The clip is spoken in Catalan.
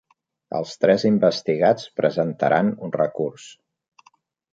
Els tres investigats presentaran recurs